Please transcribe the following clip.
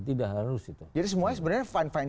tidak harus itu jadi semuanya sebenarnya fine fine